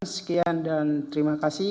sekian dan terima kasih